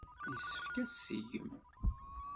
Yessefk ad tt-tgem.